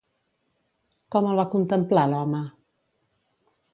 Com el va contemplar l'home?